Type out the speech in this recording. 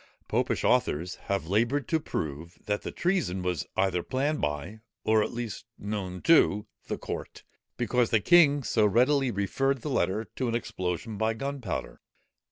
Popish authors have laboured to prove, that the treason was either planned by, or at least known to, the court, because the king so readily referred the letter to an explosion by gunpowder.